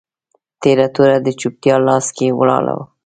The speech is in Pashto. تیره توره د چوپتیا لاس کي ولاړه